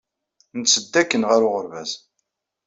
Netteddu akken ɣer uɣerbaz.